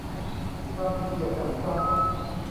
ความผิดเกี่ยวกับทรัพย์